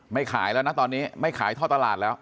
ขายแล้วนะตอนนี้ไม่ขายท่อตลาดแล้ว